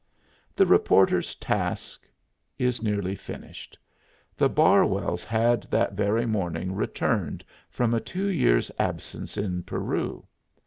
The reporter's task is nearly finished. The Barwells had that very morning returned from a two years' absence in Peru.